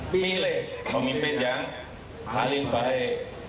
pilih pemimpin yang paling baik